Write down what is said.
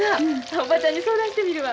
おばちゃんに相談してみるわ。